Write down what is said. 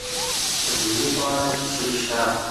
د میوو په اړه کیسې شته.